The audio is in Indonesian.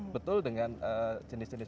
betul dengan jenis jenis